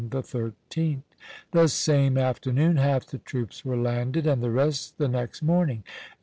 the 13th. The same afternoon half the troops were landed, and the rest the next morning.